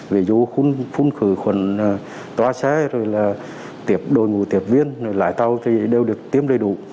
ví dụ khuôn khử khuẩn tòa xe rồi là đội ngũ tiệp viên rồi lái tàu thì đều được tiêm đầy đủ